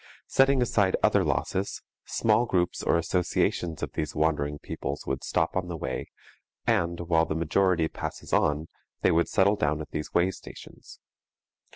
Setting aside other losses, small groups or associations of these wandering peoples would stop on the way, and, while the majority passes on, they would settle down at these way stations.